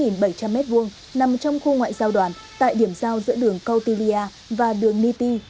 nằm trong khu ngoại giao đoàn tại điểm giao giữa đường kautilya và đường niti